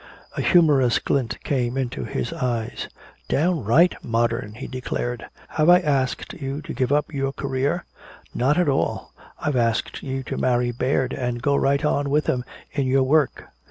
A humorous glint came into his eyes, "Downright modern," he declared. "Have I asked you to give up your career? Not at all, I've asked you to marry Baird, and go right on with him in your work.